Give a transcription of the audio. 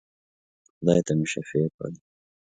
خدای ته مي شفېع کړل.